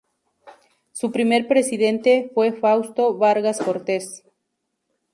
Su primer presidente fue Fausto Vargas Cortez.